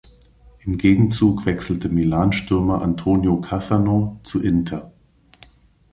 Im Gegenzug wechselte Milan-Stürmer Antonio Cassano zu Inter.